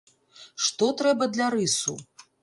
Што трэба для рысу?